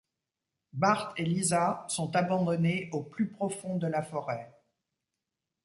Bart et Lisa sont abandonnés au plus profond de la forêt.